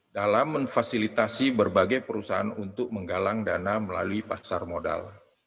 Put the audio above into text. dalam memfasilitasi berbagai perusahaan untuk menggalang dana melalui pasar modal